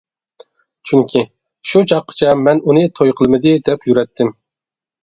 چۈنكى شۇ چاغقىچە مەن ئۇنى توي قىلمىدى، دەپ يۈرەتتىم.